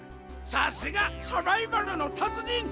さすがサバイバルの達人！